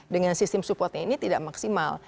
dengan sistem supportnya ini tidak maksimal